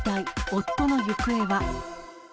夫の行方は？